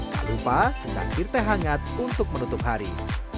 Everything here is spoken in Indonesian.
tak lupa secangkir teh hangat untuk menutup hari